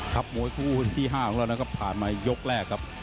ครับหมวยคู่ที่๕ของเราผ่านมายก๑ครับ